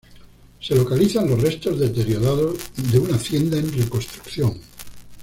Se localizan los restos deteriorados de una hacienda en reconstrucción.